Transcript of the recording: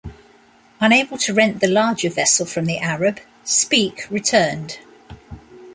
Unable to rent the larger vessel from the Arab, Speke returned.